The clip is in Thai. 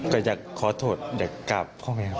ก็อยากขอโทษอยากกลับพ่อไงครับ